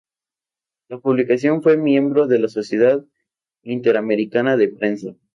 La publicación fue miembro de la Sociedad Interamericana de Prensa.